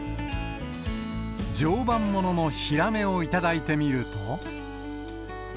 常磐もののヒラメを頂いてみると。